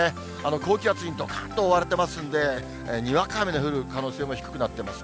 高気圧にどかんと覆われてますんで、にわか雨の降る可能性も低くなっています。